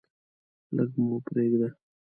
لږ مو پریږده.